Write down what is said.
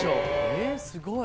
えっすごい。